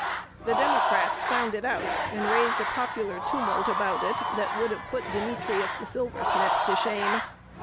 The Democrats found it out, and raised a popular tumult about it that would have put Demetrius the silversmith to shame.